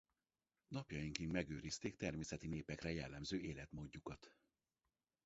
Napjainkig megőrizték természeti népekre jellemző életmódjukat.